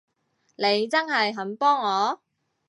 你真係肯幫我？